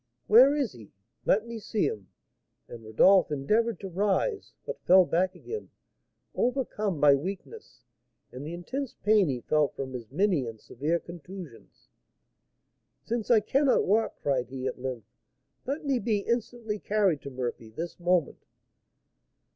"Where is he? Let me see him!" And Rodolph endeavoured to rise, but fell back again, overcome by weakness and the intense pain he felt from his many and severe contusions. "Since I cannot walk," cried he, at length, "let me be instantly carried to Murphy, this moment!"